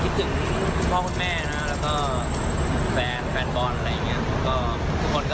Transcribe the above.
คิดถึงพ่อคุณแม่นะแล้วก็แฟนแฟนบอลอะไรอย่างเงี้ย